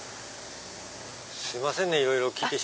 すいませんねいろいろ聞いて。